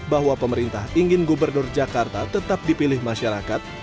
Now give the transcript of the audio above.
bahwa pemerintah ingin gubernur jakarta tetap dipilih masyarakat